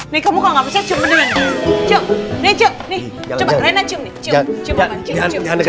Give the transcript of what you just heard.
nih kamu kalo gak bisa cium beneran